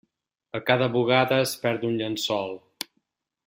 A cada bugada es perd un llençol.